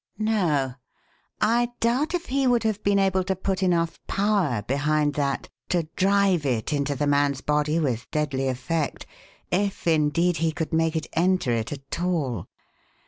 "No. I doubt if he would have been able to put enough power behind that to drive it into the man's body with deadly effect, if, indeed, he could make it enter it at all.